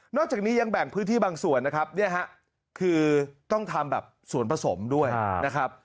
จากนี้ยังแบ่งพื้นที่บางส่วนนะครับเนี่ยฮะคือต้องทำแบบส่วนผสมด้วยนะครับ